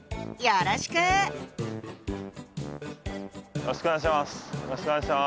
よろしくお願いします。